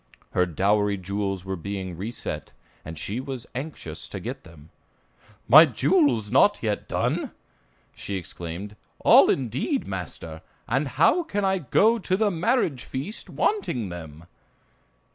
Her dowry jewels were being reset, and she was anxious to get them. "My jewels not done yet!" she exclaimed, "All, indeed, master, and how can I go to the marriage feast, wanting them?"